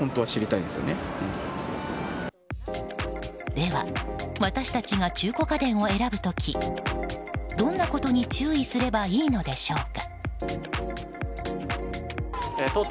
では私たちが中古家電を選ぶ時どんなことに注意すればいいのでしょうか。